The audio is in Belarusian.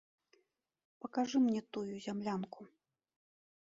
Пакажы мне тую зямлянку.